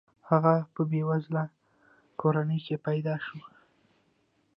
هغه په بې وزله کورنۍ کې پیدا شوی.